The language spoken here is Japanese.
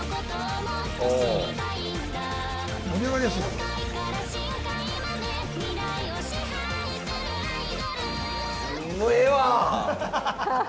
もうええわ！